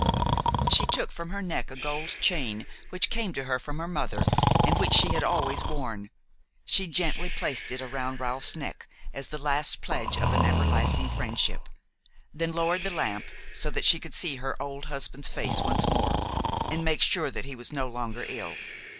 She took from her neck a gold chain which came to her from her mother and which she had always worn; she gently placed it around Ralph's neck, as the last pledge of an everlasting friendship, then lowered the lamp so that she could see her old husband's face once more, and make sure that he was no longer ill.